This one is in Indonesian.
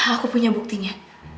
aku punya buktinya